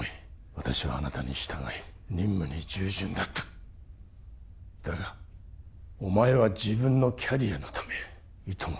私はあなたに従い任務に従順だっただがお前は自分のキャリアのためいとも